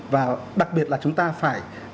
và đặc biệt là chúng ta phải